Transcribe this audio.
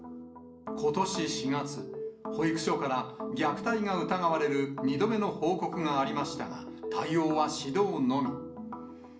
ことし４月、保育所から虐待が疑われる２度目の報告がありましたが、対応は指導のみ。